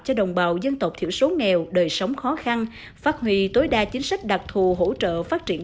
cho đồng bào dân tộc thiểu số nghèo đời sống khó khăn phát huy tối đa chính sách đặc thù hỗ trợ phát triển